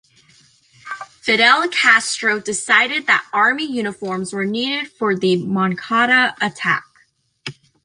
Fidel Castro decided that army uniforms were needed for the Moncada attack.